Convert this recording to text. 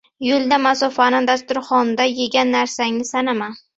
• Yo‘lda masofani, dasturxonda yegan narsangni sanama.